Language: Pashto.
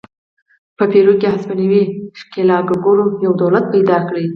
په پیرو کې هسپانوي ښکېلاکګرو یو دولت پیدا کړ.